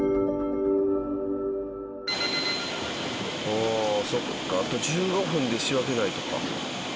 ああそっかあと１５分で仕分けないとか。